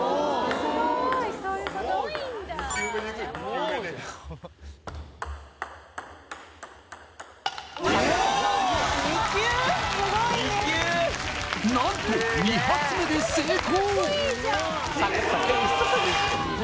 ・すごいね何と２発目で成功